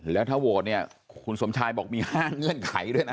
แล้วถ้าโหวตเนี่ยคุณสมชายบอกมี๕เงื่อนไขด้วยนะ